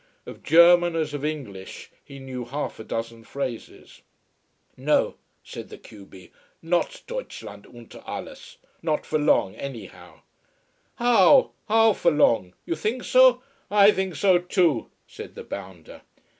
Of German as of English he knew half a dozen phrases. "No," said the q b, "Not Deutschland unter alles. Not for long, anyhow." "How? Not for long? You think so? I think so too," said the bounder.